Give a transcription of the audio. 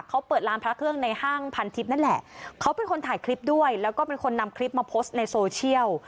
เขาเปิดร้านพระเครื่องในห้างพันทิพย์นั่นแหละเขาเป็นคนถ่ายคลิปด้วยแล้วก็เป็นคนนำคลิปมาโพสต์ในโซเชียล